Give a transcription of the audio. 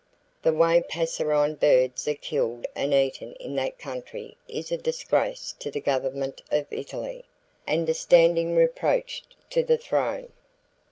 The way passerine birds are killed and eaten in that country is a disgrace to the government of Italy, and a standing reproach to the throne.